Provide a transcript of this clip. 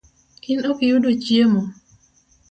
In ok iyudo chiemo?